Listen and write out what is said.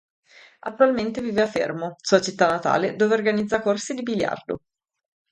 Attualmente vive a Fermo, sua città natale, dove organizza corsi di biliardo.